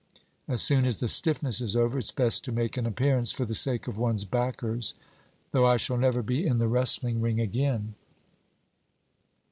As soon as the stiffness is over, it's best to make an appearance, for the sake of one's backers, though I shall never be in the wrestling ring again.'